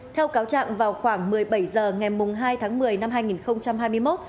theo cáo trạng vào khoảng một mươi bảy h ngày hai tháng một mươi năm hai nghìn hai mươi một